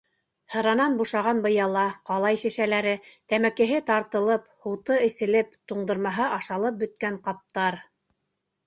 Һыранан бушаған быяла, ҡалай шешәләре, тәмәкеһе тартылып, һуты эселеп, туңдырмаһы ашалып бөткән ҡаптар...